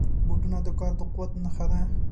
بوټونه د کار د قوت نښه ده.